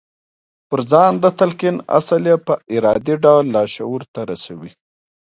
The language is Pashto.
پر ځان د تلقين اصل يې په ارادي ډول لاشعور ته رسوي.